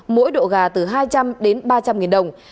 mỗi độ gà từ hai trăm linh đến ba trăm linh nghìn đồng